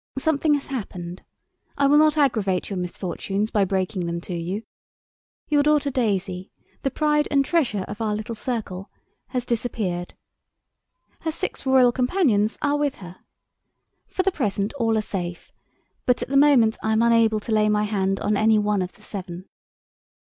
Something has happened. I will not aggravate your misfortunes by breaking them to you. Your daughter Daisy, the pride and treasure of our little circle, has disappeared. Her six royal companions are with her. For the present all are safe, but at the moment I am unable to lay my hand on any one of the seven."